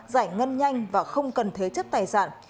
giải ngân nhanh và không cần thế chất tài sản